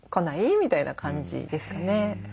みたいな感じですかね。